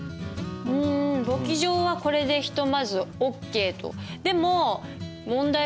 うん簿記上はこれでひとまずオッケーと。